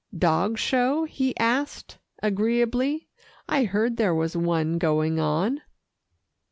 "Dog show?" he asked agreeably. "I heard there was one going on."